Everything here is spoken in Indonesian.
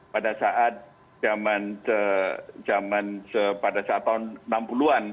pada saat zaman pada saat tahun enam puluh an